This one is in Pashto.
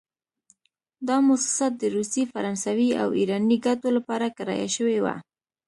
دا موسسه د روسي، فرانسوي او ایراني ګټو لپاره کرایه شوې وه.